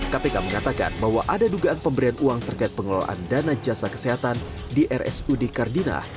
kpk mengatakan bahwa ada dugaan pemberian uang terkait pengelolaan dana jasa kesehatan di rsud kardinah